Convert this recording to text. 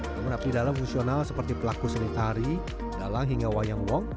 namun abdi dalam fungsional seperti pelaku seni tari dalang hingga wayang wong